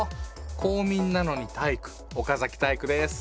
公民なのに体育岡崎体育です。